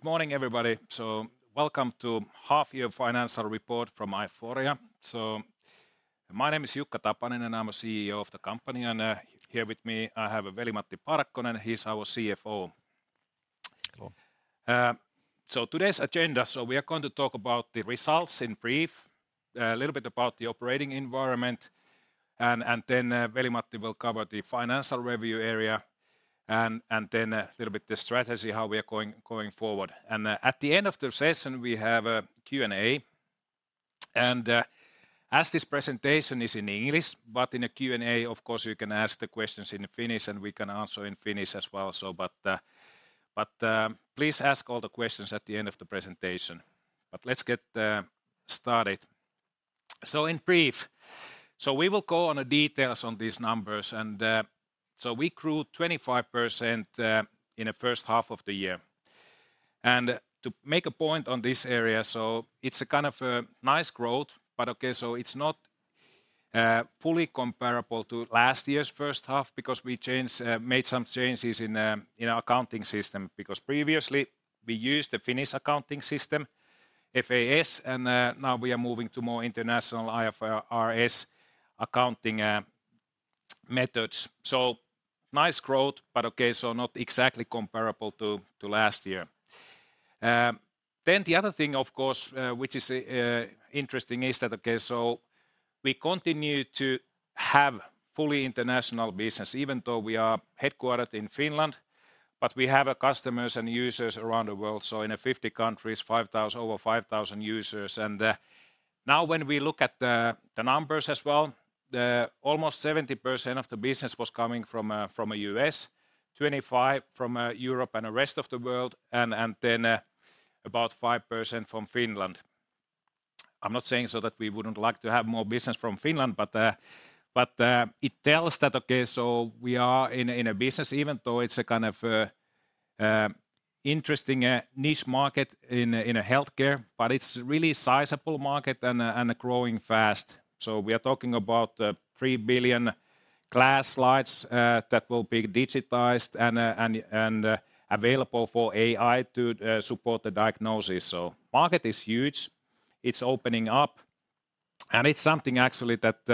Good morning, everybody. Welcome to Half Year Financial Report from Aiforia. My name is Jukka Tapaninen, and I'm a CEO of the company, and here with me, I have Veli-Matti Parkkonen, and he's our CFO. Hello. So today's agenda, so we are going to talk about the results in brief, a little bit about the operating environment, and then Veli-Matti will cover the financial review area, and then a little bit the strategy, how we are going forward. At the end of the session, we have a Q&A, and as this presentation is in English, but in a Q&A, of course, you can ask the questions in Finnish, and we can answer in Finnish as well. But please ask all the questions at the end of the presentation. But let's get started. So in brief, so we will go on the details on these numbers, and so we grew 25% in the first half of the year. To make a point on this area, so it's a kind of a nice growth, but okay, so it's not fully comparable to last year's first half because we changed, made some changes in our accounting system, because previously we used the Finnish accounting system, FAS, and now we are moving to more international IFRS accounting methods. So nice growth, but okay, so not exactly comparable to last year. Then the other thing, of course, which is interesting, is that, okay, so we continue to have fully international business, even though we are headquartered in Finland, but we have our customers and users around the world, so in 50 countries, over 5,000 users. Now, when we look at the numbers as well, almost 70% of the business was coming from the U.S., 25% from Europe and the rest of the world, and then about 5% from Finland. I'm not saying so that we wouldn't like to have more business from Finland, but it tells that, okay, so we are in a business, even though it's a kind of interesting niche market in healthcare, but it's really sizable market and growing fast. So we are talking about 3 billion glass slides that will be digitized and available for AI to support the diagnosis. So the market is huge, it's opening up, and it's something actually that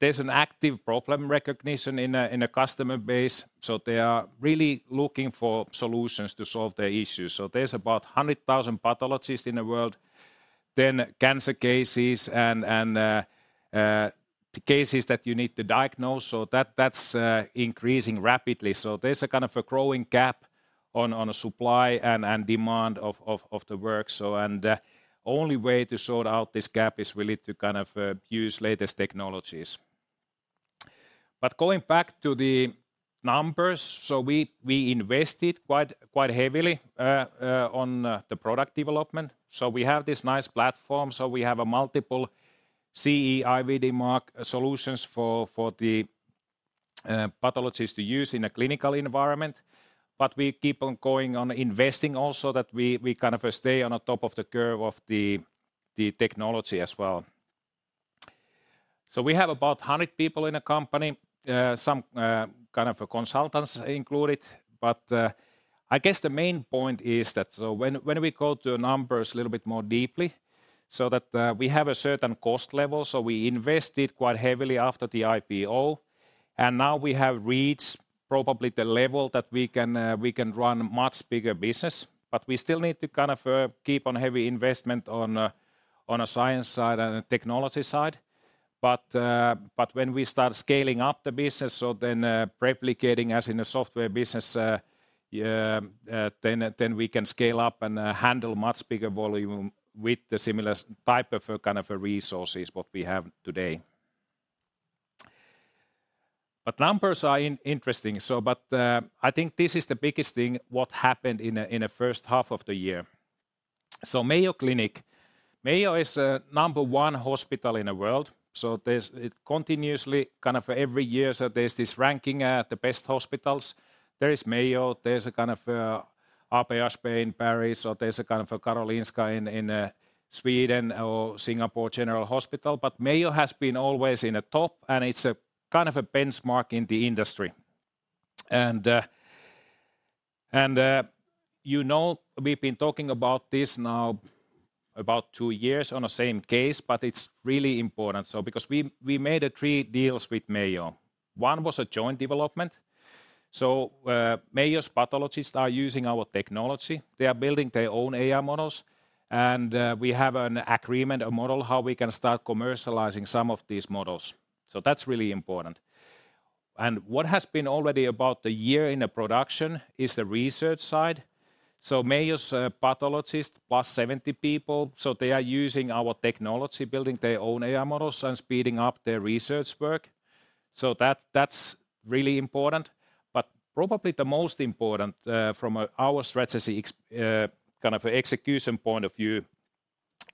there's an active problem recognition in a customer base, so they are really looking for solutions to solve their issues. So there's about 100,000 pathologists in the world, then cancer cases and the cases that you need to diagnose, so that's increasing rapidly. So there's a kind of a growing gap on supply and demand of the work. So and only way to sort out this gap is really to kind of use latest technologies. But going back to the numbers, so we invested quite heavily on the product development. So we have this nice platform, so we have a multiple CE-IVD mark solutions for the pathologists to use in a clinical environment. But we keep on going on investing also, that we kind of stay on the top of the curve of the technology as well. So we have about 100 people in the company, some kind of consultants included. But I guess the main point is that so when we go to numbers a little bit more deeply, so that we have a certain cost level, so we invested quite heavily after the IPO, and now we have reached probably the level that we can we can run much bigger business, but we still need to kind of keep on heavy investment on on a science side and a technology side. But, but when we start scaling up the business, so then, replicating as in a software business, then, then we can scale up and, handle much bigger volume with the similar type of, kind of resources what we have today. But numbers are interesting, so but, I think this is the biggest thing what happened in, in the first half of the year. So Mayo Clinic. Mayo is the number one hospital in the world, so there's it continuously, kind of every year, so there's this ranking, the best hospitals. There is Mayo, there's a kind of, AP-HP in Paris, so there's a kind of a Karolinska in, in, Sweden or Singapore General Hospital. But Mayo has been always in the top, and it's a kind of a benchmark in the industry. You know, we've been talking about this now about two years on the same case, but it's really important. So because we made three deals with Mayo. One was a joint development, so Mayo's pathologists are using our technology. They are building their own AI models, and we have an agreement, a model, how we can start commercializing some of these models. So that's really important. And what has been already about a year in the production is the research side. So Mayo's pathologists, plus 70 people, so they are using our technology, building their own AI models, and speeding up their research work. So that's really important. But probably the most important, from our strategy execution point of view,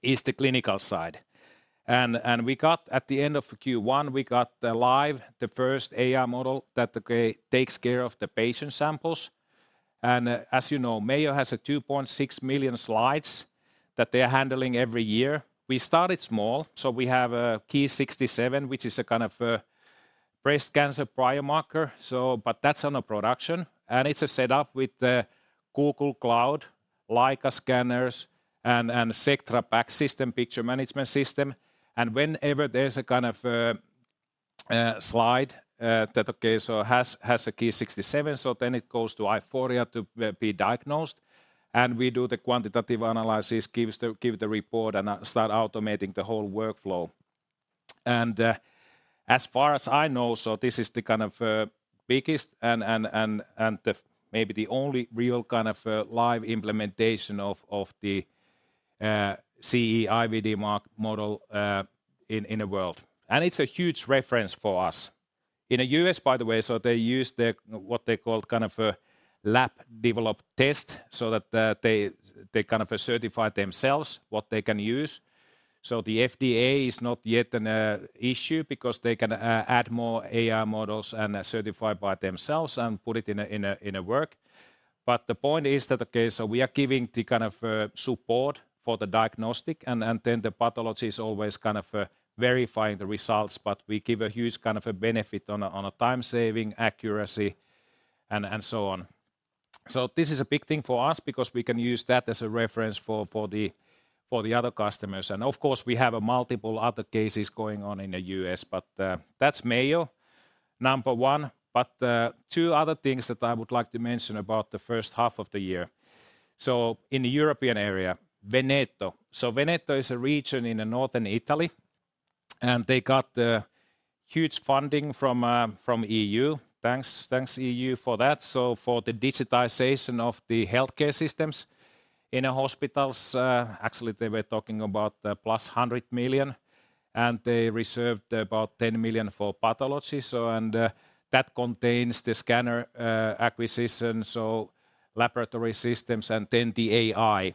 is the clinical side. At the end of Q1, we got live the first AI model that takes care of the patient samples. And as you know, Mayo has 2.6 million slides that they are handling every year. We started small, so we have a Ki-67, which is a kind of breast cancer biomarker. But that's on production, and it's set up with the Google Cloud, Leica scanners, and Sectra PACS, picture management system. And whenever there's a kind of slide that has a Ki-67, so then it goes to Aiforia to be diagnosed, and we do the quantitative analysis, give the report, and start automating the whole workflow. As far as I know, so this is the kind of biggest and maybe the only real kind of live implementation of the CE-IVD-marked model in the world. And it's a huge reference for us. In the U.S., by the way, so they use what they call kind of a lab-developed test, so that they kind of certify themselves what they can use. So the FDA is not yet an issue because they can add more AI models and certify by themselves and put it in a work. But the point is that, okay, so we are giving the kind of support for the diagnostic, and then the pathologist is always kind of verifying the results, but we give a huge kind of a benefit on a time saving, accuracy, and so on. So this is a big thing for us because we can use that as a reference for the other customers. And of course, we have multiple other cases going on in the U.S., but that's Mayo, number one. But two other things that I would like to mention about the first half of the year. So in the European area, Veneto. So Veneto is a region in northern Italy, and they got the huge funding from the EU. Thanks, EU, for that. So for the digitization of the healthcare systems in the hospitals, actually, they were talking about plus 100 million, and they reserved about 10 million for pathology. So and that contains the scanner acquisition, so laboratory systems, and then the AI.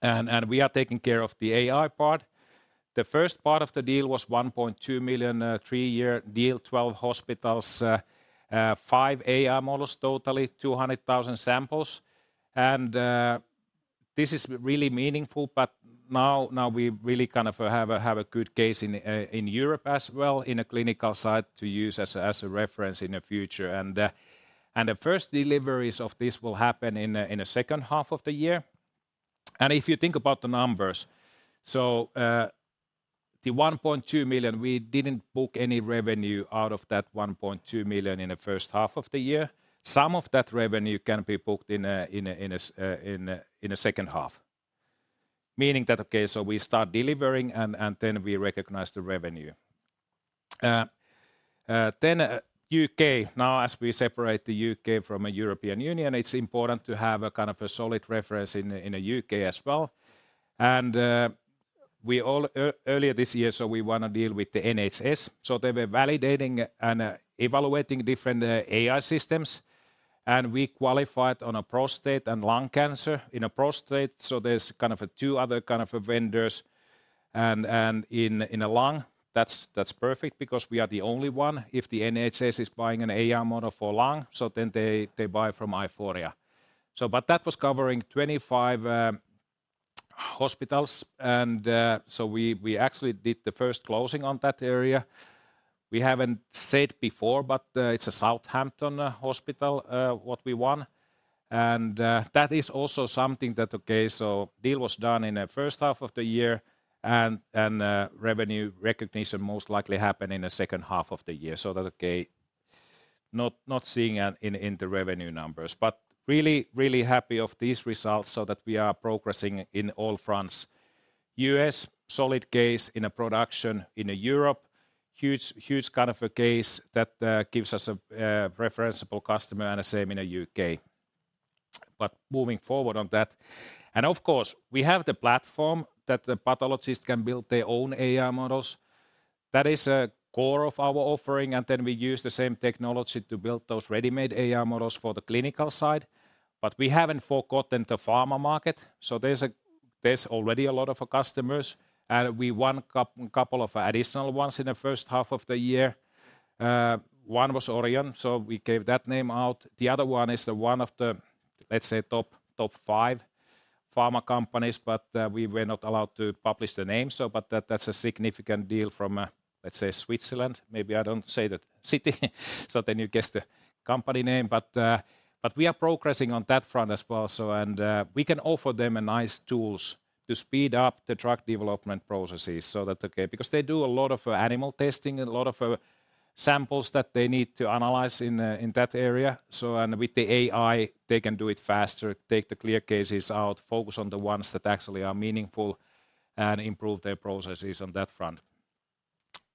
And we are taking care of the AI part. The first part of the deal was 1.2 million, three-year deal, 12 hospitals, 5 AI models, totally 200,000 samples. And this is really meaningful, but now, now we really kind of have a good case in Europe as well, in a clinical site, to use as a reference in the future. And the first deliveries of this will happen in the second half of the year. If you think about the numbers, so, the 1.2 million, we didn't book any revenue out of that 1.2 million in the first half of the year. Some of that revenue can be booked in the second half. Meaning that, okay, so we start delivering and then we recognize the revenue. Then U.K. Now, as we separate the U.K. from the European Union, it's important to have a kind of a solid reference in the U.K. as well. And, we earlier this year, so we won a deal with the NHS. So they were validating and evaluating different AI systems, and we qualified on a prostate and lung cancer. In a prostate, so there's kind of two other kind of vendors, and in the lung, that's perfect because we are the only one. If the NHS is buying an AI model for lung, so then they buy from Aiforia. So but that was covering 25 hospitals, so we actually did the first closing on that area. We haven't said before, but it's a Southampton Hospital what we won. And that is also something that, okay, so deal was done in the first half of the year, and revenue recognition most likely happen in the second half of the year. So that, okay, not seeing it in the revenue numbers, but really really happy of these results so that we are progressing in all fronts. US, solid case in a production in Europe, huge, huge kind of a case that gives us a referenceable customer and the same in the UK. But moving forward on that. And of course, we have the platform that the pathologist can build their own AI models. That is a core of our offering, and then we use the same technology to build those ready-made AI models for the clinical side. But we haven't forgotten the pharma market, so there's a-- there's already a lot of customers, and we won couple of additional ones in the first half of the year. One was Orion, so we gave that name out. The other one is the one of the, let's say, top five pharma companies, but we were not allowed to publish the name, so but that, that's a significant deal from, let's say, Switzerland. Maybe I don't say the city, so then you guess the company name, but but we are progressing on that front as well. So and we can offer them nice tools to speed up the drug development processes. So that okay, because they do a lot of animal testing and a lot of samples that they need to analyze in in that area. So and with the AI, they can do it faster, take the clear cases out, focus on the ones that actually are meaningful, and improve their processes on that front.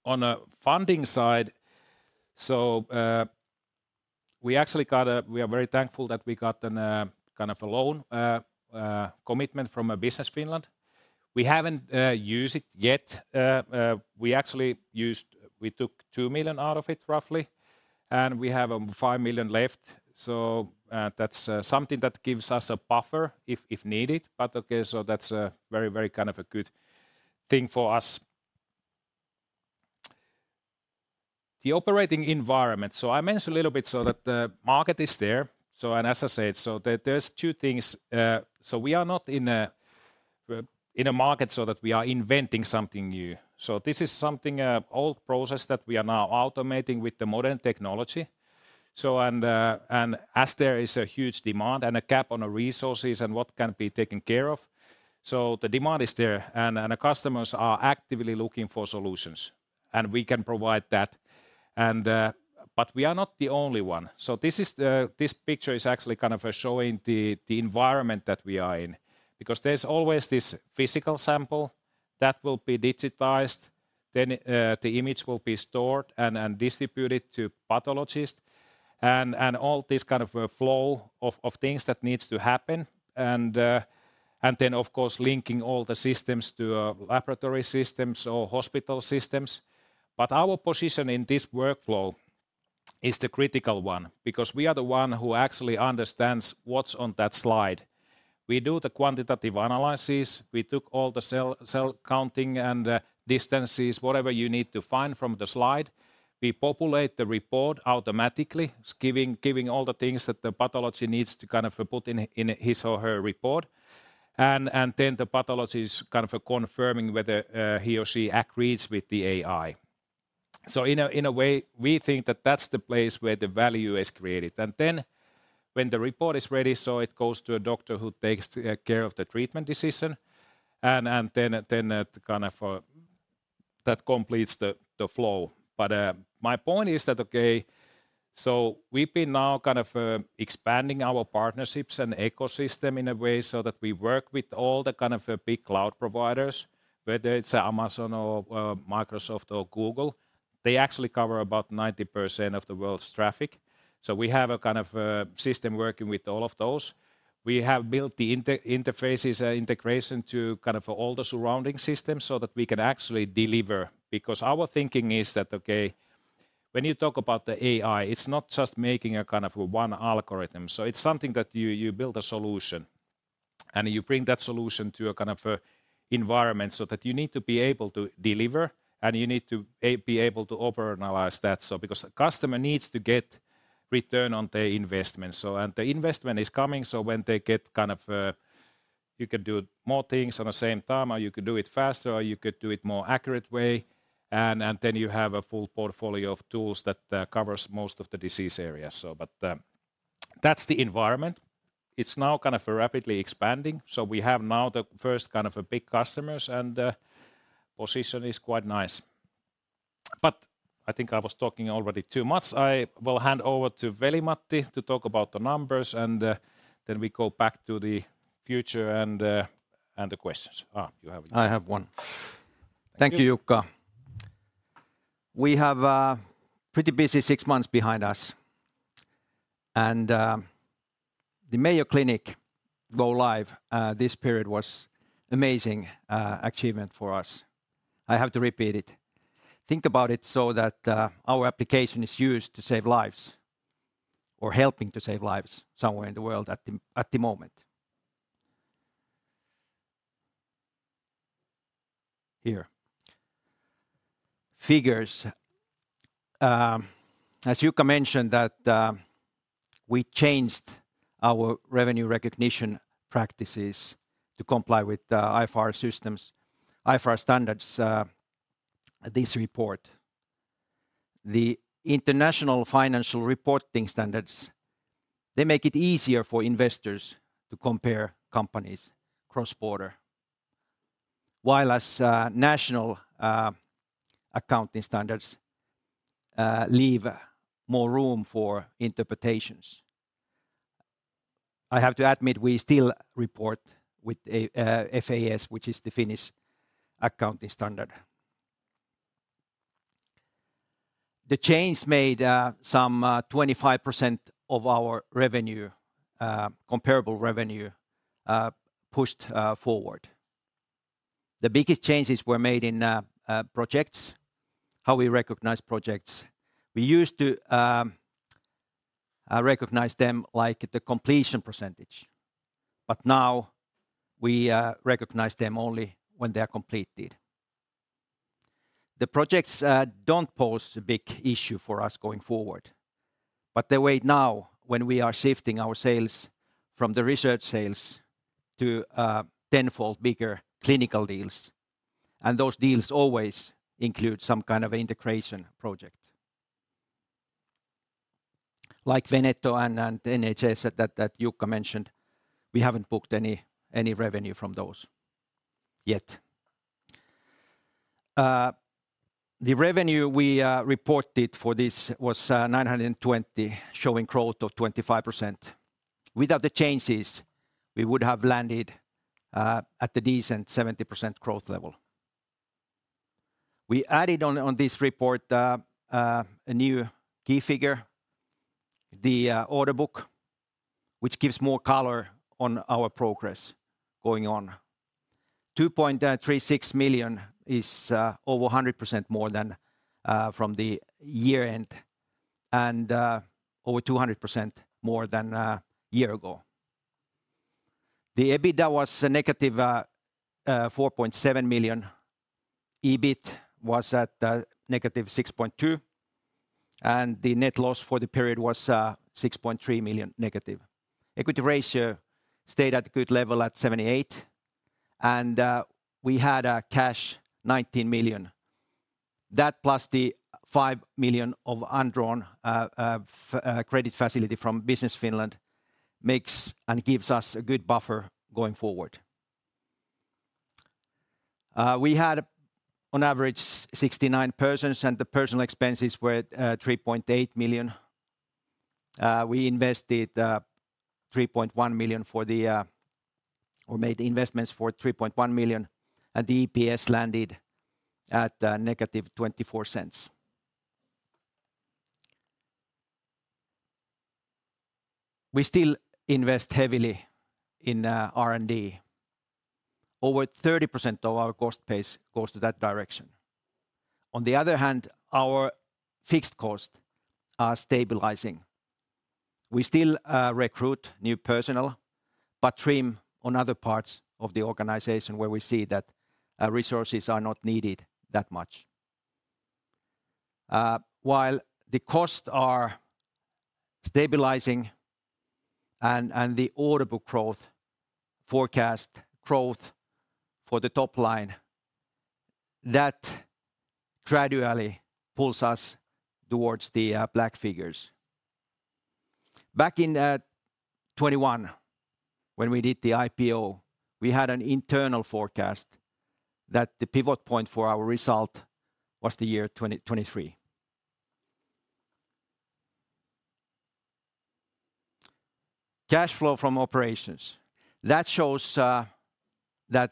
On the funding side, so, we actually got a loan commitment from Business Finland. We are very thankful that we got a kind of a loan commitment. We haven't used it yet. We actually used it; we took 2 million out of it, roughly, and we have 5 million left, so, that's something that gives us a buffer if needed. But okay, so that's a very, very kind of a good thing for us. The operating environment. So I mentioned a little bit so that the market is there. So and as I said, so there, there's two things. So we are not in a market so that we are inventing something new. So this is something old process that we are now automating with the modern technology. So as there is a huge demand and a gap on the resources and what can be taken care of, so the demand is there, and the customers are actively looking for solutions, and we can provide that. And but we are not the only one. So this is the—this picture is actually kind of showing the environment that we are in, because there's always this physical sample that will be digitized, then the image will be stored and distributed to pathologists, and all this kind of a flow of things that needs to happen. And then, of course, linking all the systems to laboratory systems or hospital systems. But our position in this workflow is the critical one, because we are the one who actually understands what's on that slide. We do the quantitative analysis. We took all the cell counting and the distances, whatever you need to find from the slide. We populate the report automatically, giving all the things that the pathology needs to kind of put in his or her report. And then the pathologist is kind of confirming whether he or she agrees with the AI. So in a way, we think that that's the place where the value is created. And then when the report is ready, so it goes to a doctor who takes care of the treatment decision, and then that completes the flow. My point is that, okay, so we've been now kind of expanding our partnerships and ecosystem in a way so that we work with all the kind of big cloud providers, whether it's Amazon or Microsoft or Google. They actually cover about 90% of the world's traffic. So we have a kind of system working with all of those. We have built the interfaces, integration to kind of all the surrounding systems so that we can actually deliver. Because our thinking is that, okay, when you talk about the AI, it's not just making a kind of one algorithm. So it's something that you build a solution, and you bring that solution to a kind of environment, so that you need to be able to deliver, and you need to be able to overanalyze that. So because the customer needs to get return on their investment, so and the investment is coming, so when they get kind of... You can do more things on the same time, or you could do it faster, or you could do it more accurate way, and, and then you have a full portfolio of tools that covers most of the disease areas. So but, that's the environment. It's now kind of rapidly expanding, so we have now the first kind of a big customers, and the position is quite nice. But I think I was talking already too much. I will hand over to Veli-Matti to talk about the numbers, and, then we go back to the future and, and the questions. Ah, you have one. I have one. Thank you. Thank you, Jukka. We have a pretty busy six months behind us, and, the Mayo Clinic go live, this period was amazing, achievement for us. I have to repeat it. Think about it so that, our application is used to save lives or helping to save lives somewhere in the world at the moment. Here. Figures. As Jukka mentioned, that, we changed our revenue recognition practices to comply with, IFRS systems, IFRS standards, this report. The international financial reporting standards, they make it easier for investors to compare companies cross-border, while as, national, accounting standards, leave more room for interpretations. I have to admit, we still report with a, FAS, which is the Finnish accounting standard. The change made, some, 25% of our revenue, comparable revenue, pushed, forward. The biggest changes were made in projects, how we recognize projects. We used to recognize them like the completion percentage, but now we recognize them only when they are completed. The projects don't pose a big issue for us going forward, but the way now, when we are shifting our sales from the research sales to tenfold bigger clinical deals, and those deals always include some kind of integration project. Like Veneto and NHS that Jukka mentioned, we haven't booked any revenue from those yet. The revenue we reported for this was 920, showing growth of 25%. Without the changes, we would have landed at a decent 70% growth level. We added on this report a new key figure, the order book, which gives more color on our progress going on. 2.36 million is over 100% more than from the year end and over 200% more than a year ago. The EBITDA was a negative 4.7 million. EBIT was at negative 6.2 million, and the net loss for the period was 6.3 million negative. Equity ratio stayed at a good level at 78%, and we had cash 19 million. That plus the 5 million of undrawn credit facility from Business Finland makes and gives us a good buffer going forward. We had on average 69 persons, and the personal expenses were 3.8 million. We invested 3.1 million or made investments for 3.1 million, and the EPS landed at -0.24 EUR. We still invest heavily in R&D. Over 30% of our cost base goes to that direction. On the other hand, our fixed costs are stabilizing. We still recruit new personnel, but trim on other parts of the organization where we see that resources are not needed that much. While the costs are stabilizing and the order book growth, forecast growth for the top line, that gradually pulls us towards the black figures. Back in 2021, when we did the IPO, we had an internal forecast that the pivot point for our result was the year 2023. Cash flow from operations, that shows that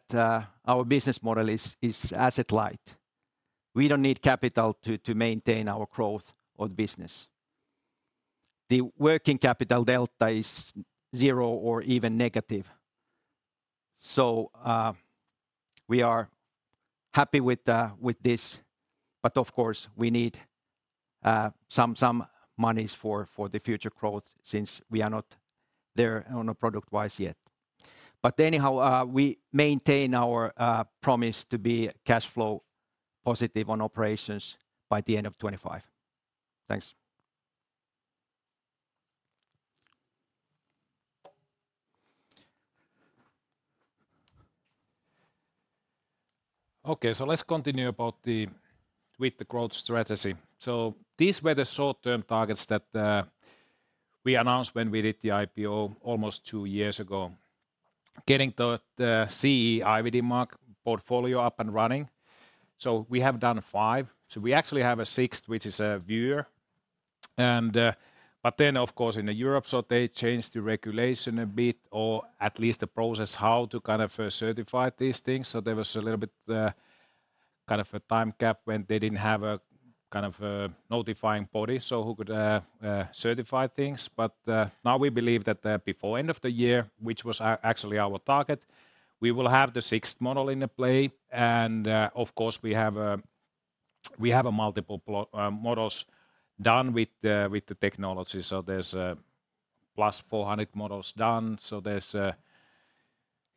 our business model is asset light. We don't need capital to maintain our growth or the business. The working capital delta is zero or even negative. So, we are happy with this, but of course, we need some monies for the future growth since we are not there on a product-wise yet. But anyhow, we maintain our promise to be cash flow positive on operations by the end of 2025. Thanks. Okay, so let's continue about with the growth strategy. So these were the short-term targets that we announced when we did the IPO almost two years ago. Getting the CE-IVD mark portfolio up and running, so we have done five. So we actually have a sixth, which is a viewer. And, but then, of course, in Europe, so they changed the regulation a bit, or at least the process, how to kind of certify these things. So there was a little bit kind of a time gap when they didn't have a kind of a notifying body, so who could certify things. But now we believe that before end of the year, which was actually our target, we will have the sixth model in play. Of course, we have a, we have a multiple models done with the, with the technology. So there's plus 400 models done, so there's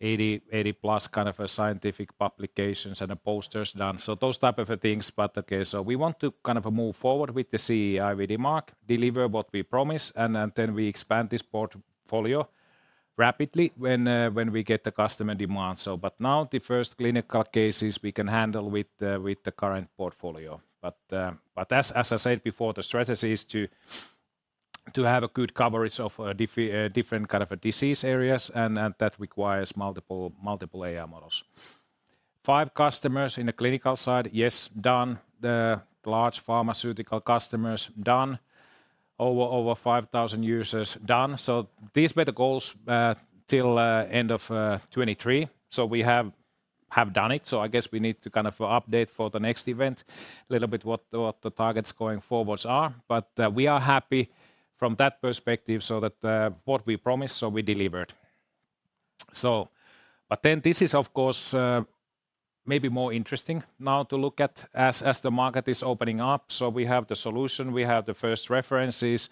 80, 80+ kind of scientific publications and the posters done, so those type of things. But okay, so we want to kind of move forward with the CE-IVD mark, deliver what we promise, and then, then we expand this portfolio rapidly when, when we get the customer demand. So but now the first clinical cases we can handle with the, with the current portfolio. But, but as, as I said before, the strategy is to, to have a good coverage of, different kind of disease areas, and, and that requires multiple, multiple AI models. Five customers in the clinical side, yes, done. The large pharmaceutical customers, done. Over 5,000 users, done. So these were the goals till end of 2023. So we have done it, so I guess we need to kind of update for the next event a little bit what the targets going forwards are. But we are happy from that perspective, so that what we promised, so we delivered. So but then this is, of course, maybe more interesting now to look at as the market is opening up. So we have the solution, we have the first references,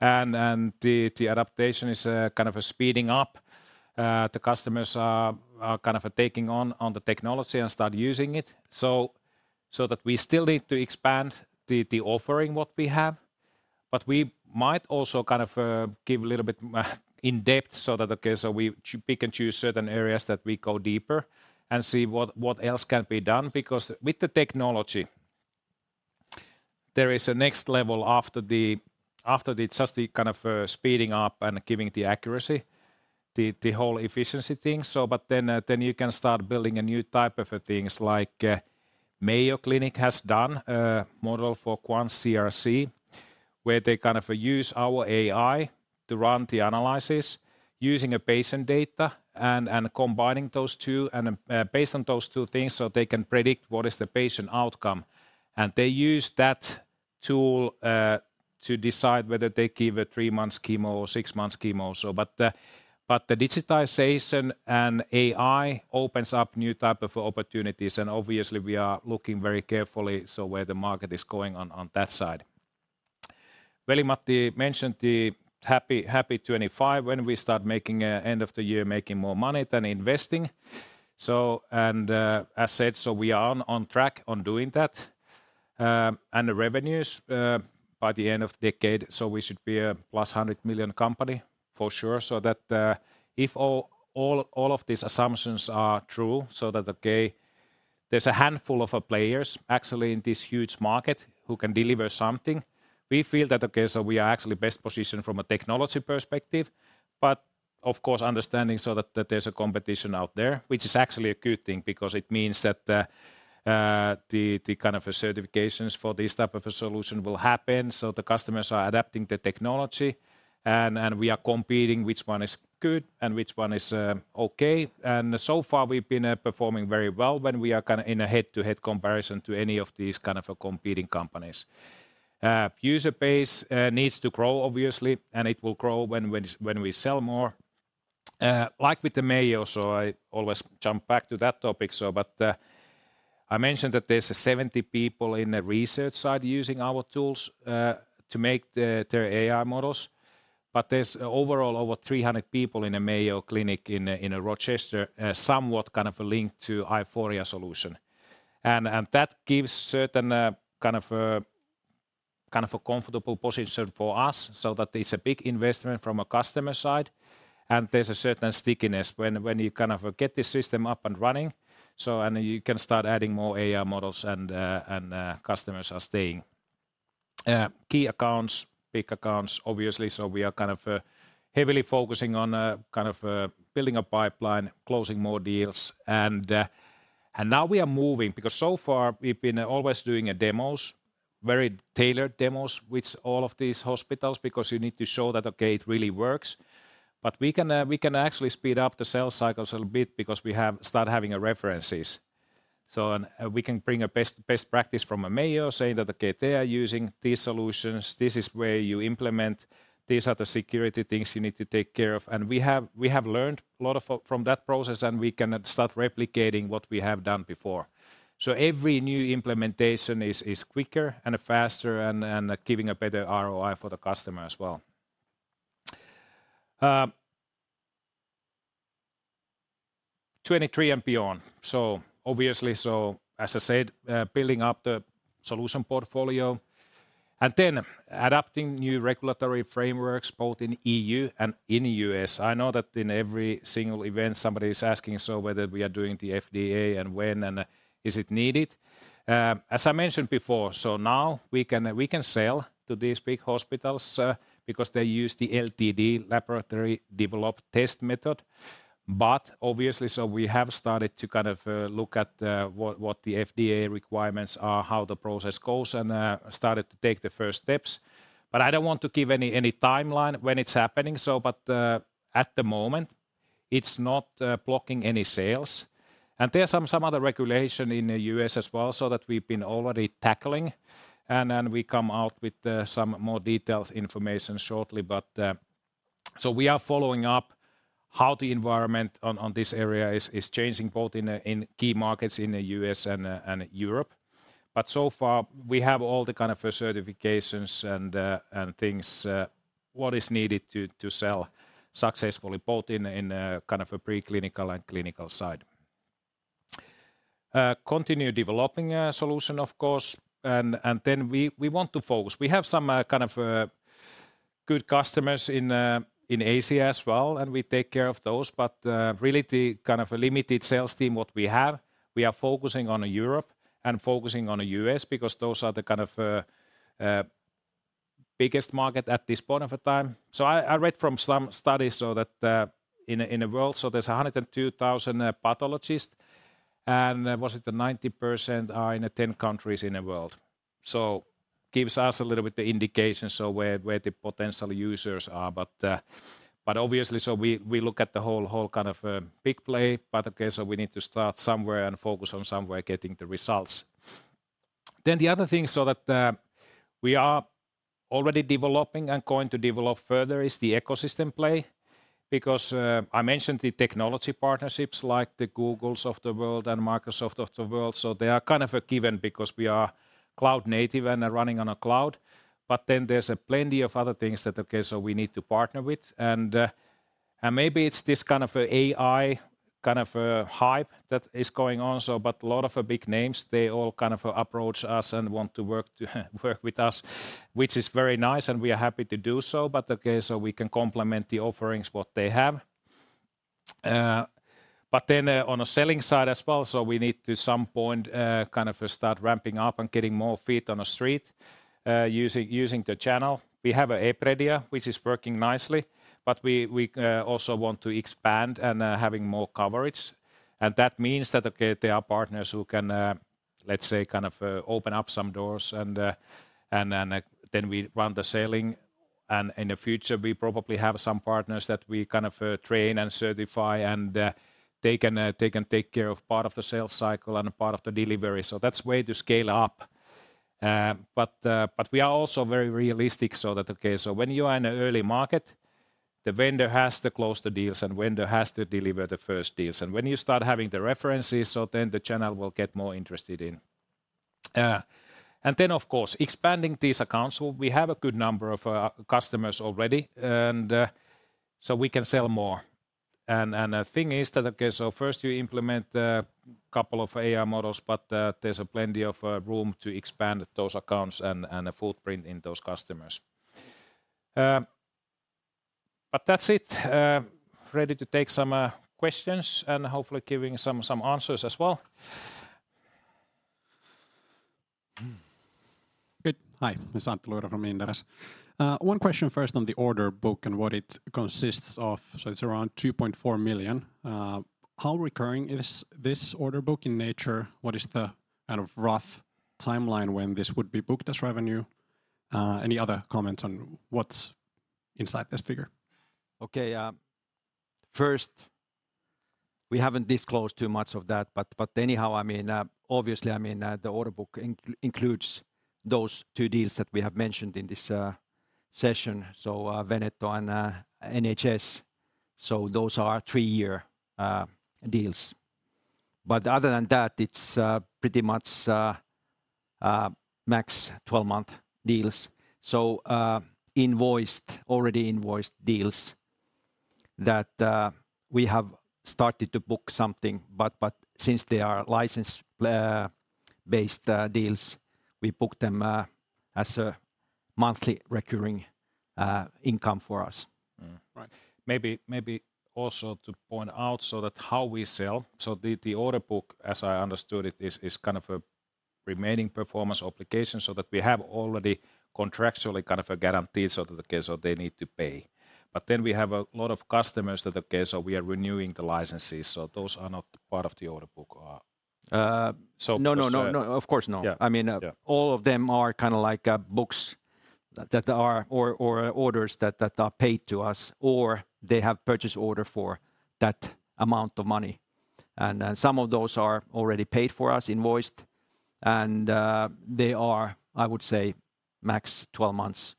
and the adaptation is kind of speeding up. The customers are kind of taking on the technology and start using it. So that we still need to expand the offering, what we have, but we might also kind of give a little bit in depth, so that we pick and choose certain areas that we go deeper and see what else can be done. Because with the technology, there is a next level after the... Just the kind of speeding up and giving the accuracy, the whole efficiency thing. So but then, then you can start building a new type of things, like Mayo Clinic has done, model for QuantCRC, where they kind of use our AI to run the analysis using a patient data and combining those two, and based on those two things, so they can predict what is the patient outcome. And they use that tool to decide whether they give a three-month chemo or six-month chemo. But the digitization and AI opens up new type of opportunities, and obviously we are looking very carefully, so where the market is going on, on that side. Veli-Matti mentioned the happy, happy 25 when we start making, end of the year, making more money than investing. And, as said, so we are on, on track on doing that. And the revenues, by the end of the decade, so we should be a +100 million company for sure. So that, if all, all, all of these assumptions are true, so that, okay, there's a handful of players actually in this huge market who can deliver something. We feel that, okay, so we are actually best positioned from a technology perspective, but of course, understanding so that, that there's a competition out there, which is actually a good thing because it means that the kind of certifications for this type of a solution will happen. So the customers are adapting the technology, and we are competing which one is good and which one is okay. And so far, we've been performing very well when we are kind of in a head-to-head comparison to any of these kind of competing companies. User base needs to grow, obviously, and it will grow when we sell more. Like with the Mayo, so I always jump back to that topic. I mentioned that there's 70 people in the research side using our tools to make their AI models, but there's overall over 300 people in the Mayo Clinic in Rochester, somewhat kind of a link to Aiforia solution. That gives certain kind of a comfortable position for us, so that it's a big investment from a customer side, and there's a certain stickiness when you kind of get the system up and running, so and you can start adding more AI models and customers are staying. Key accounts, big accounts, obviously, so we are kind of heavily focusing on kind of building a pipeline, closing more deals. And now we are moving because so far we've been always doing demos, very tailored demos with all of these hospitals, because you need to show that, okay, it really works. But we can, we can actually speed up the sales cycle a little bit because we have start having a references. So and we can bring a best, best practice from a Mayo, saying that, okay, they are using these solutions. This is where you implement. These are the security things you need to take care of. And we have, we have learned a lot from that process, and we can start replicating what we have done before. So every new implementation is, is quicker and faster and, and giving a better ROI for the customer as well. 2023 and beyond. So obviously, so as I said, building up the solution portfolio and then adapting new regulatory frameworks both in EU and in the U.S. I know that in every single event, somebody is asking, so whether we are doing the FDA and when, and is it needed? As I mentioned before, so now we can, we can sell to these big hospitals, because they use the LDT, laboratory developed test method. But obviously, so we have started to kind of look at what the FDA requirements are, how the process goes, and started to take the first steps. But I don't want to give any timeline when it's happening. So but, at the moment, it's not blocking any sales. There are some other regulation in the U.S. as well, so that we've been already tackling, and we come out with some more detailed information shortly. But so we are following up how the environment on this area is changing both in key markets in the U.S. and Europe. But so far, we have all the kind of certifications and things what is needed to sell successfully, both in kind of a preclinical and clinical side. Continue developing a solution, of course, and then we want to focus. We have some kind of good customers in Asia as well, and we take care of those. But really the kind of a limited sales team, what we have, we are focusing on Europe and focusing on the U.S. because those are the kind of biggest market at this point of a time. So I read from some studies so that in the world, so there's 102,000 pathologists, and was it the 90% are in the 10 countries in the world. So gives us a little bit the indication, so where the potential users are. But obviously, so we look at the whole kind of big play. But okay, so we need to start somewhere and focus on somewhere getting the results. Then the other thing that we are already developing and going to develop further is the ecosystem play, because I mentioned the technology partnerships like the Googles of the world and Microsoft of the world. So they are kind of a given because we are cloud native and are running on a cloud. But then there's a plenty of other things that, okay, so we need to partner with. And maybe it's this kind of a AI, kind of a hype that is going on, so but a lot of big names, they all kind of approach us and want to work with us, which is very nice, and we are happy to do so, but okay, so we can complement the offerings what they have. But then on the selling side as well, so we need to at some point, kind of start ramping up and getting more feet on the street, using, using the channel. We have Epredia, which is working nicely, but we, we, also want to expand and, having more coverage. And that means that, okay, there are partners who can, let's say, kind of, open up some doors and, and then, then we run the selling. And in the future, we probably have some partners that we kind of, train and certify, and, they can, they can take care of part of the sales cycle and part of the delivery. So that's way to scale up. But we are also very realistic, so that, okay, so when you are in an early market, the vendor has to close the deals, and the vendor has to deliver the first deals. When you start having the references, the channel will get more interested in... And then, of course, expanding these accounts. We have a good number of customers already, so we can sell more. The thing is that, okay, first you implement a couple of AI models, but there's plenty of room to expand those accounts and a footprint in those customers. But that's it. Ready to take some questions, and hopefully giving some answers as well. Good. Hi, it's Antti Luiro from Inderes. One question first on the order book and what it consists of. So it's around 2.4 million. How recurring is this order book in nature? What is the kind of rough timeline when this would be booked as revenue? Any other comments on what's inside this figure? Okay, first, we haven't disclosed too much of that, but anyhow, I mean, obviously, I mean, the order book includes those two deals that we have mentioned in this session, so, Veneto and NHS. So those are our three-year deals. But other than that, it's pretty much max 12-month deals. So, invoiced, already invoiced deals that we have started to book something, but since they are license based deals, we book them as a monthly recurring income for us. Right. Maybe also to point out how we sell, so the order book, as I understood it, is kind of a remaining performance obligation, so that we have already contractually kind of a guarantee, so that in case they need to pay. But then we have a lot of customers that, okay, so we are renewing the licenses, so those are not part of the order book, so- No, no, no, no. Of course, no. Yeah. I mean- Yeah.... all of them are kind of like, books that are... or orders that are paid to us, or they have purchase order for that amount of money. And, some of those are already paid for us, invoiced, and, they are, I would say, max 12 months,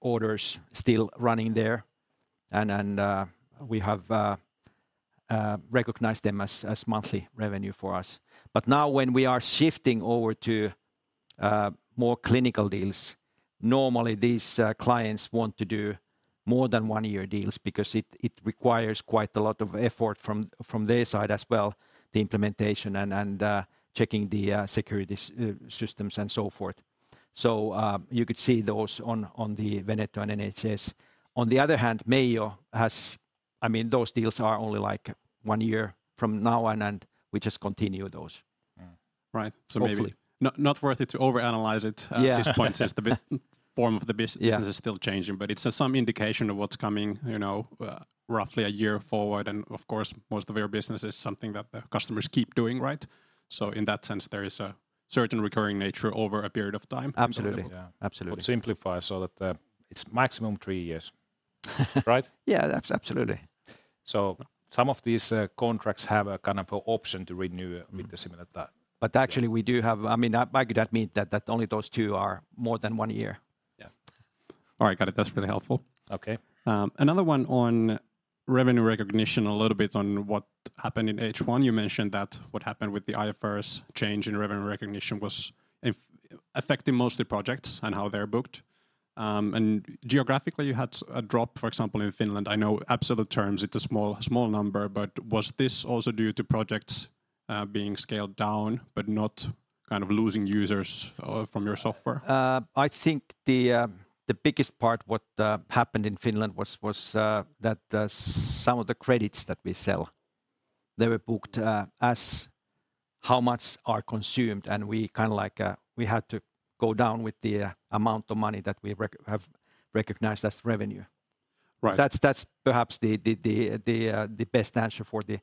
orders still running there. And, we have recognized them as monthly revenue for us. But now when we are shifting over to more clinical deals, normally these clients want to do more-than-one-year deals because it requires quite a lot of effort from their side as well, the implementation and checking the security systems, and so forth. So, you could see those on the Veneto and NHS. On the other hand, Mayo has... I mean, those deals are only, like, one year from now on, and we just continue those. Mm. Right. Hopefully. So maybe not worth it to overanalyze it. Yeah.... at this point, since the form of the business- Yeah.... is still changing. But it's some indication of what's coming, you know, roughly a year forward, and of course, most of your business is something that the customers keep doing, right? So in that sense, there is a certain recurring nature over a period of time. Absolutely. Yeah. Absolutely. To simplify, so that, it's maximum three years—... right? Yeah, that's absolutely. Some of these contracts have a kind of a option to renew- Mm.... with a similar time. But actually, we do have... I mean, by that I mean that only those two are more than one year. Yeah. All right. Got it. That's really helpful. Okay. Another one on revenue recognition, a little bit on what happened in H1. You mentioned that what happened with the IFRS change in revenue recognition was affecting mostly projects and how they're booked. And geographically, you had a drop, for example, in Finland. I know absolute terms, it's a small, small number, but was this also due to projects being scaled down but not kind of losing users from your software? I think the biggest part what happened in Finland was that some of the credits that we sell, they were booked as how much are consumed, and we kind of like, we had to go down with the amount of money that we have recognized as revenue. Right. That's perhaps the best answer for the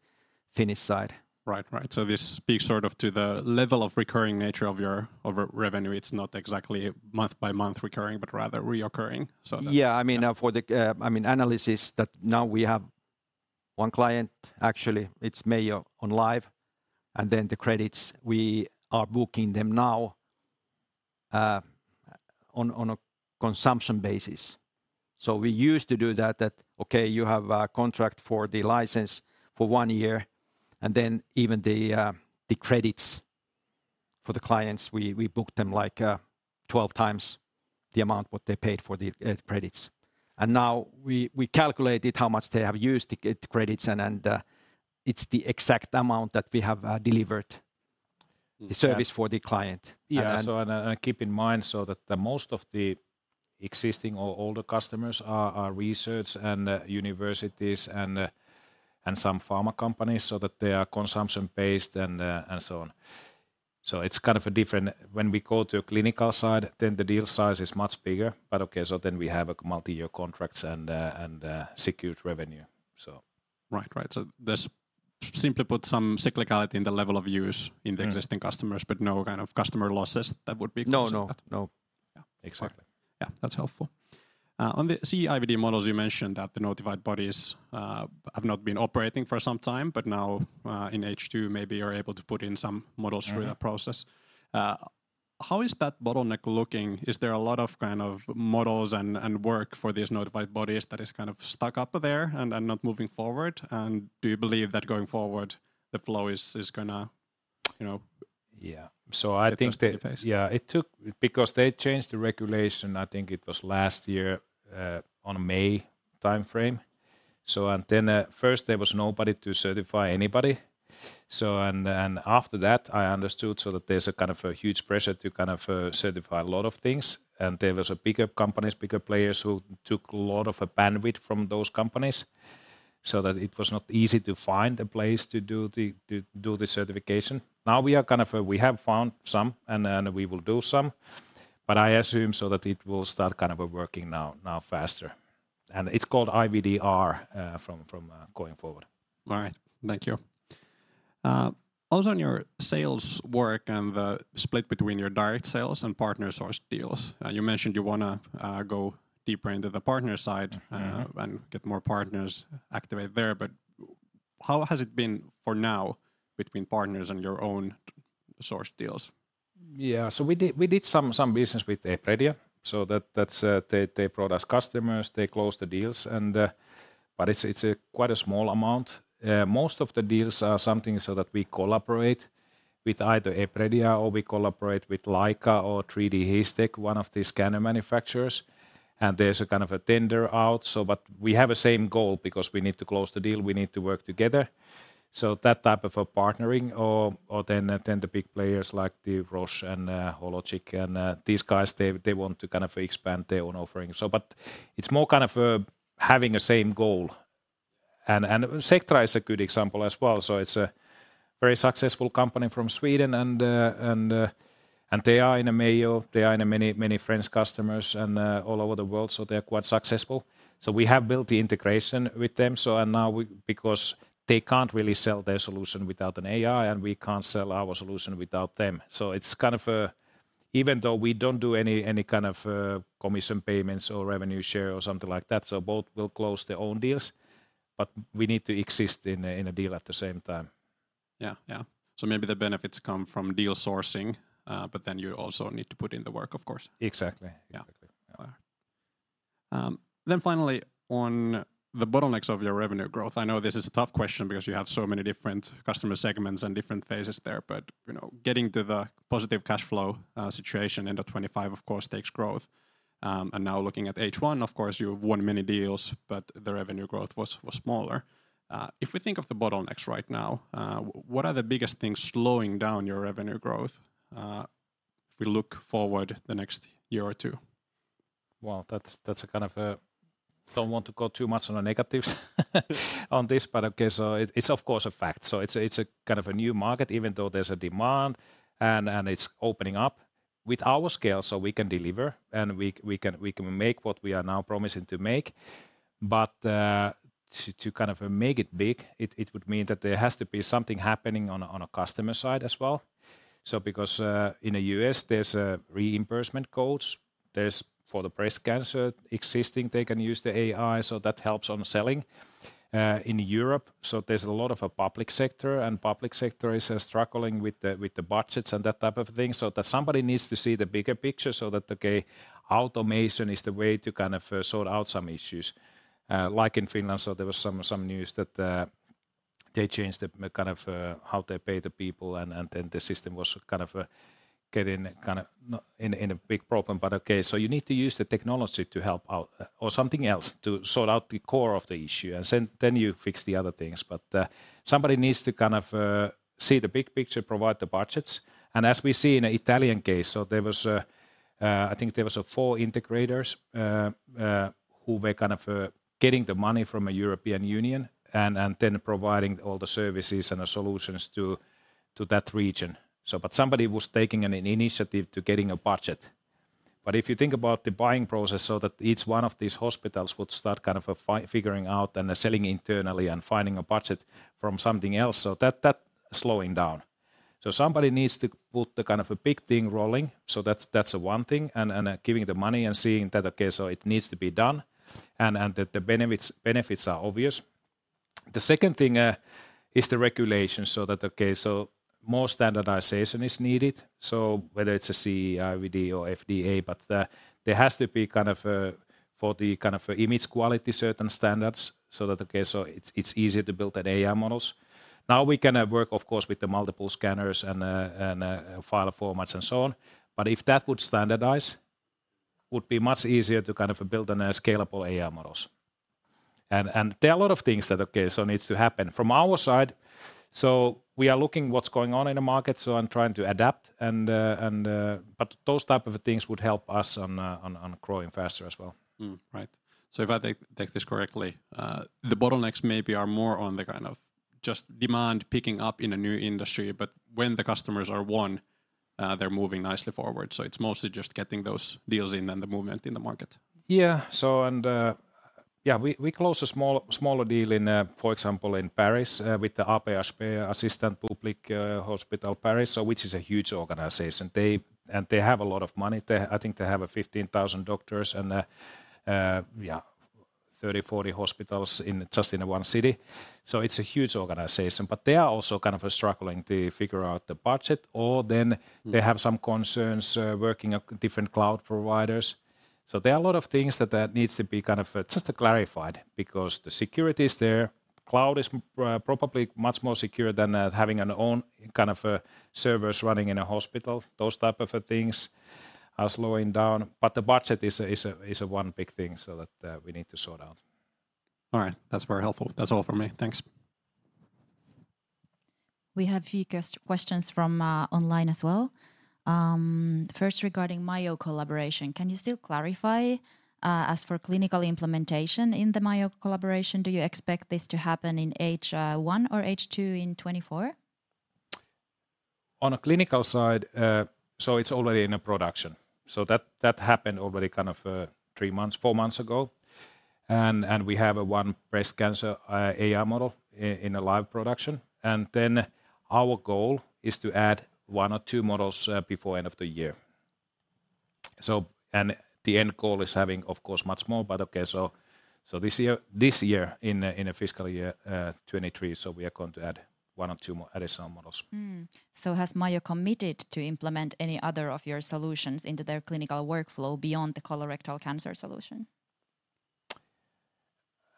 Finnish side. Right. Right. So this speaks sort of to the level of recurring nature of your revenue. It's not exactly month-by-month recurring, but rather recurring, so that- Yeah, I mean, for the, I mean, analysis that now we have one client, actually, it's Mayo, on live, and then the credits, we are booking them now, on a consumption basis. So we used to do that, okay, you have a contract for the license for one year, and then even the credits for the clients, we book them, like, 12 times the amount what they paid for the credits. And now we calculated how much they have used the credits, and it's the exact amount that we have delivered- Yeah.... the service for the client. Yeah. And- So and, keep in mind, so that most of the existing or older customers are research and universities and some pharma companies, so that they are consumption-based and so on. So it's kind of a different... When we go to a clinical side, then the deal size is much bigger, but okay, so then we have multi-year contracts and secured revenue, so. Right. Right. So there's, simply put, some cyclicality in the level of use- Mm.... in the existing customers, but no kind of customer losses that would be- No, no. No. Yeah. Exactly. Yeah, that's helpful. On the CE-IVD models, you mentioned that the notified bodies have not been operating for some time, but now, in H2, maybe you're able to put in some models- Right,... through that process. How is that bottleneck looking? Is there a lot of kind of models and work for these notified bodies that is kind of stuck up there and not moving forward? And do you believe that going forward, the flow is gonna, you know- Yeah. So I think they- Get better phase.... Yeah, it took, because they changed the regulation, I think it was last year, on a May timeframe. So and then, first there was nobody to certify anybody. So and then, and after that, I understood so that there's a kind of a huge pressure to kind of, certify a lot of things, and there was a bigger companies, bigger players, who took a lot of bandwidth from those companies, so that it was not easy to find a place to do the certification. Now we are kind of, we have found some, and then we will do some, but I assume so that it will start kind of, working now faster. And it's called IVDR, from going forward. All right. Thank you. Also on your sales work and the split between your direct sales and partner-sourced deals, you mentioned you wanna go deeper into the partner side- Mm-hmm,... and get more partners activate there, but how has it been for now between partners and your own sourced deals? Yeah, so we did some business with Epredia, so that's they brought us customers, they closed the deals, and but it's quite a small amount. Most of the deals are something so that we collaborate with either Epredia, or we collaborate with Leica or 3DHISTECH, one of the scanner manufacturers, and there's a kind of a tender out. So but we have the same goal, because we need to close the deal, we need to work together, so that type of a partnering or then the big players like the Roche and Hologic, and these guys, they want to kind of expand their own offerings. So but it's more kind of having the same goal. And Sectra is a good example as well. So it's a very successful company from Sweden, and they are in Mayo, they have many, many French customers and all over the world, so they're quite successful. So we have built the integration with them, so now because they can't really sell their solution without an AI, and we can't sell our solution without them. So it's kind of... Even though we don't do any kind of commission payments or revenue share or something like that, so both will close their own deals, but we need to exist in a deal at the same time. Yeah. Yeah. So maybe the benefits come from deal sourcing, but then you also need to put in the work, of course. Exactly. Yeah. Exactly. All right. Then finally, on the bottlenecks of your revenue growth, I know this is a tough question because you have so many different customer segments and different phases there, but, you know, getting to the positive cash flow, situation end of 2025, of course, takes growth. And now looking at H1, of course, you've won many deals, but the revenue growth was smaller. If we think of the bottlenecks right now, what are the biggest things slowing down your revenue growth, if we look forward the next year or two? Well, that's a kind of don't want to go too much on the negatives on this, but okay, so it's of course a fact. So it's a kind of a new market, even though there's a demand and it's opening up. With our scale, so we can deliver, and we can make what we are now promising to make, but to kind of make it big, it would mean that there has to be something happening on a customer side as well. So because in the U.S., there's reimbursement codes, there's for the breast cancer existing, they can use the AI, so that helps on selling. In Europe, so there's a lot of a public sector, and public sector is struggling with the, with the budgets and that type of thing, so that somebody needs to see the bigger picture so that, okay, automation is the way to kind of sort out some issues. Like in Finland, so there was some news that they changed the kind of how they pay the people, and then the system was kind of getting kind of in a big problem. But okay, so you need to use the technology to help out or something else to sort out the core of the issue, and then you fix the other things. But somebody needs to kind of see the big picture, provide the budgets. As we see in the Italian case, so there was, I think there was, four integrators who were kind of getting the money from the European Union and then providing all the services and the solutions to that region. So but somebody was taking an initiative to getting a budget. But if you think about the buying process, so that each one of these hospitals would start kind of figuring out and selling internally and finding a budget from something else, so that slowing down. So somebody needs to put the kind of a big thing rolling, so that's the one thing, and giving the money and seeing that, okay, so it needs to be done, and that the benefits are obvious. The second thing is the regulation, so more standardization is needed, so whether it's a CE-IVD or FDA, but there has to be kind of for the kind of image quality certain standards, so that it's easier to build an AI models. Now, we can work, of course, with the multiple scanners and file formats and so on, but if that would standardize, would be much easier to kind of build on a scalable AI models. And there are a lot of things that needs to happen. From our side, so we are looking what's going on in the market, so I'm trying to adapt. But those type of things would help us on growing faster as well. Right. So if I take this correctly, the bottlenecks maybe are more on the kind of just demand picking up in a new industry, but when the customers are won, they're moving nicely forward. So it's mostly just getting those deals in than the movement in the market. Yeah. So and, yeah, we closed a smaller deal in, for example, in Paris, with the AP-HP, Assistance Publique-Hôpitaux de Paris, so which is a huge organization. They and they have a lot of money. They I think they have 15,000 doctors and, yeah thirty-40 hospitals in just in one city. So it's a huge organization, but they are also kind of struggling to figure out the budget, or then they have some concerns working with different cloud providers. So there are a lot of things that that needs to be kind of just clarified because the security is there. Cloud is probably much more secure than having an own kind of servers running in a hospital. Those type of things are slowing down, but the budget is one big thing so that we need to sort out. All right. That's very helpful. That's all for me. Thanks. We have few questions from online as well. First, regarding Mayo Collaboration, can you still clarify as for clinical implementation in the Mayo Collaboration, do you expect this to happen in H1 or H2 in 2024? On a clinical side, so it's already in production. So that, that happened already kind of, three months, four months ago, and we have one breast cancer AI model in a live production. And then our goal is to add one or two models before end of the year. So, and the end goal is having, of course, much more, but okay, so this year, this year in a fiscal year 2023, so we are going to add one or two more additional models. So has Mayo committed to implement any other of your solutions into their clinical workflow beyond the colorectal cancer solution?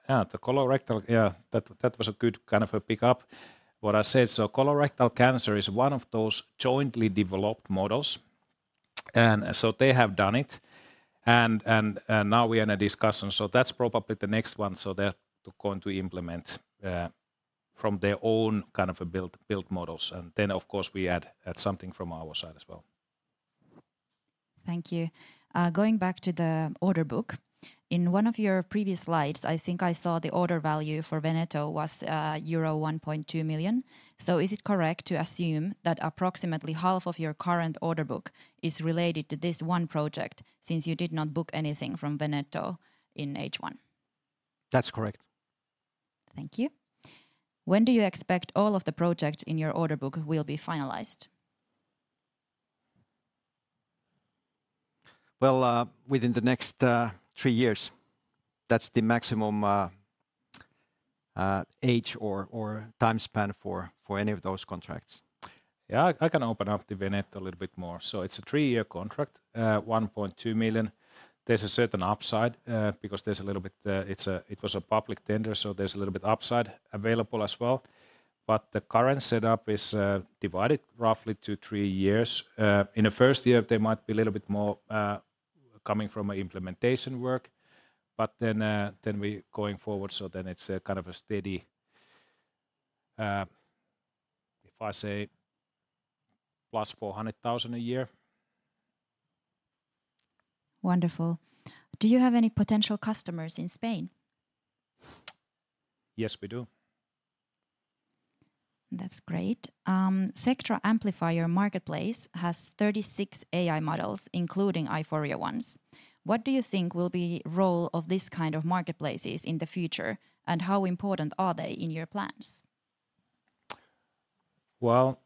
Yeah, the colorectal, yeah, that was a good kind of a pick up what I said. So colorectal cancer is one of those jointly developed models, and so they have done it. And now we are in a discussion, so that's probably the next one. So they're going to implement from their own kind of a built models. And then, of course, we add something from our side as well. Thank you. Going back to the order book, in one of your previous slides, I think I saw the order value for Veneto was euro 1.2 million. So is it correct to assume that approximately half of your current order book is related to this one project, since you did not book anything from Veneto in H1? That's correct. Thank you. When do you expect all of the projects in your order book will be finalized? Well, within the next three years, that's the maximum age or time span for any of those contracts. Yeah, I can open up the Veneto a little bit more. So it's a three-year contract, 1.2 million. There's a certain upside because there's a little bit... It's a-- it was a public tender, so there's a little bit upside available as well. But the current setup is divided roughly to three years. In the first year, there might be a little bit more coming from a implementation work, but then, then we going forward, so then it's a kind of a steady, if I say, +400,000 a year. Wonderful. Do you have any potential customers in Spain? Yes, we do. That's great. Sectra Amplifier Marketplace has 36 AI models, including Aiforia ones. What do you think will be role of this kind of marketplaces in the future, and how important are they in your plans? Well,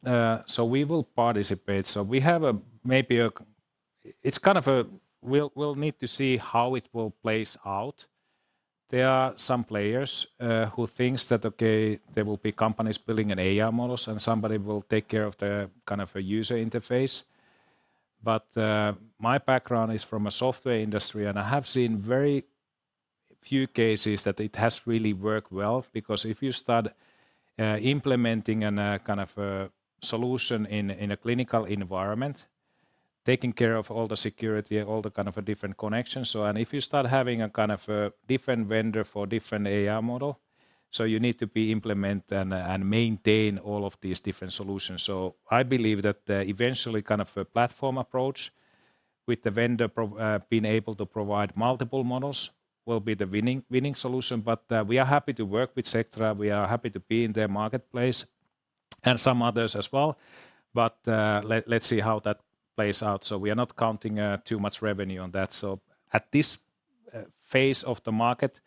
so we will participate. So we have maybe a... It's kind of a we'll, we'll need to see how it will plays out. There are some players who thinks that, okay, there will be companies building an AI models, and somebody will take care of the kind of a user interface. But my background is from a software industry, and I have seen very few cases that it has really worked well. Because if you start implementing a kind of a solution in a clinical environment, taking care of all the security, all the kind of a different connections, so and if you start having a kind of a different vendor for different AI model, so you need to be implement and maintain all of these different solutions. So I believe that, eventually kind of a platform approach with the vendor being able to provide multiple models will be the winning solution. But, we are happy to work with Sectra. We are happy to be in their marketplace and some others as well, but, let's see how that plays out. So we are not counting too much revenue on that. So at this phase of the market,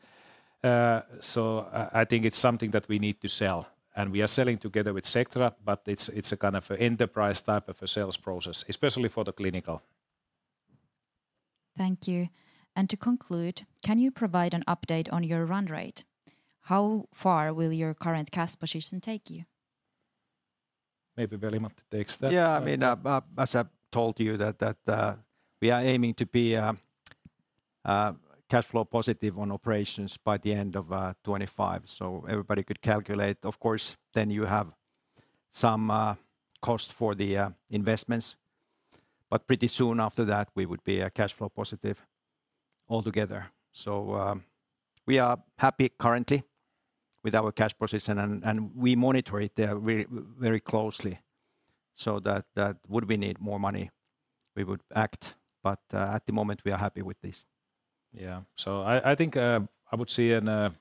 so I think it's something that we need to sell, and we are selling together with Sectra, but it's a kind of an enterprise type of a sales process, especially for the clinical. Thank you. And to conclude, can you provide an update on your run rate? How far will your current cash position take you? Maybe Veli-Matti takes that. Yeah, I mean, as I've told you that we are aiming to be cash flow positive on operations by the end of 2025, so everybody could calculate. Of course, then you have some cost for the investments, but pretty soon after that, we would be cash flow positive altogether. So, we are happy currently with our cash position, and we monitor it very, very closely, so that that would we need more money, we would act, but at the moment, we are happy with this. Yeah. So I think I would see in a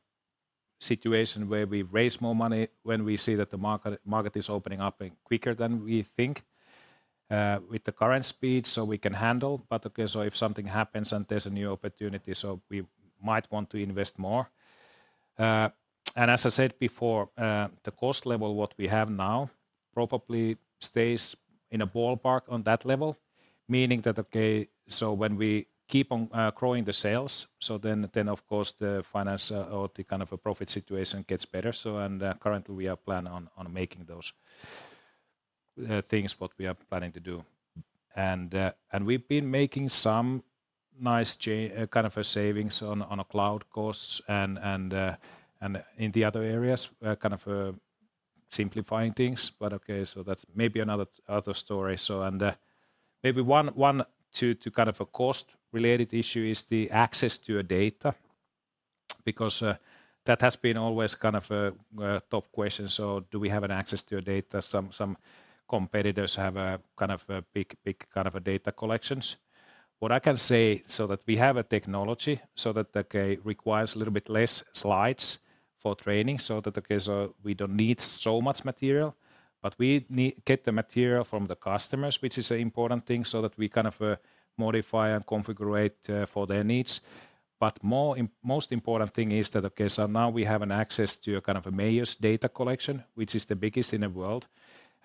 situation where we raise more money when we see that the market is opening up quicker than we think. With the current speed, so we can handle, but, okay, so if something happens and there's a new opportunity, so we might want to invest more. And as I said before, the cost level what we have now probably stays in a ballpark on that level, meaning that, okay, so when we keep on growing the sales, so then, then of course, the finance or the kind of a profit situation gets better. So, and, currently we are planning on making those things what we are planning to do. And we've been making some nice kind of a savings on a cloud costs and in the other areas, kind of simplifying things. But okay, so that's maybe another other story. And maybe one to two kind of cost-related issues is the access to your data, because that has been always kind of a top question. So do we have access to your data? Some competitors have a kind of big data collections. What I can say, so that we have a technology, so that okay requires a little bit less slides for training, so that okay so we don't need so much material, but we need get the material from the customers, which is an important thing, so that we kind of modify and configure for their needs. But more most important thing is that okay so now we have access to a kind of Mayo's data collection, which is the biggest in the world.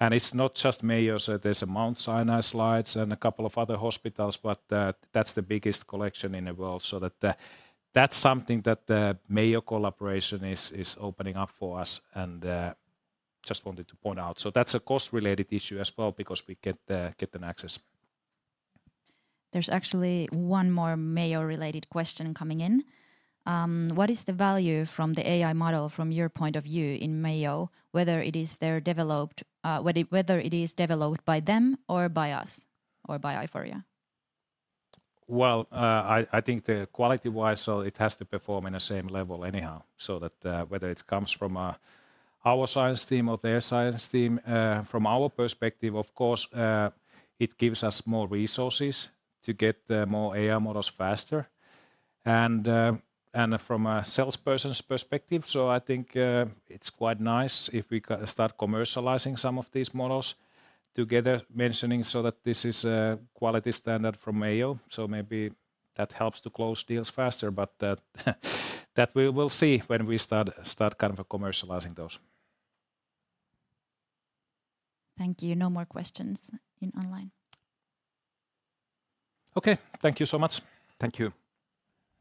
And it's not just Mayo's. There's Mount Sinai slides and a couple of other hospitals, but that, that's the biggest collection in the world. So that, that's something that the Mayo collaboration is opening up for us, and just wanted to point out. So that's a cost-related issue as well because we get an access. There's actually one more Mayo-related question coming in. What is the value from the AI model from your point of view in Mayo, whether it is they're developed, whether it is developed by them or by us or by Aiforia? Well, I think the quality-wise, so it has to perform in the same level anyhow, so that whether it comes from our science team or their science team, from our perspective, of course, it gives us more resources to get the more AI models faster. And from a salesperson's perspective, so I think it's quite nice if we can start commercializing some of these models together, mentioning so that this is a quality standard from Mayo, so maybe that helps to close deals faster. But that we will see when we start kind of commercializing those. Thank you. No more questions in online. Okay. Thank you so much. Thank you.